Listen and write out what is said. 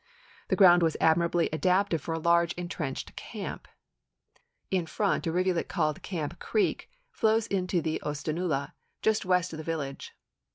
The ground was admirably adapted for a large intrenched camp. In front a rivulet called Camp Creek flows into the Oosta naula just west of the village.